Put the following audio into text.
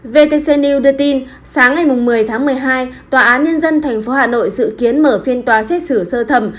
vtc news đưa tin sáng ngày một mươi tháng một mươi hai tòa án nhân dân tp hà nội dự kiến mở phiên tòa xét xử sơ thẩm